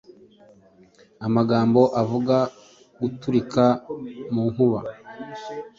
Amagambo avuga, guturika mu nkuba